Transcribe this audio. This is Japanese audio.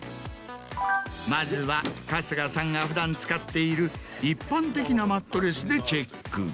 まずは春日さんが普段使っている一般的なマットレスでチェック。